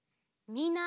みんな！